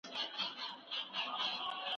د کارونو چټکتیا د هر چا د پام وړ وه.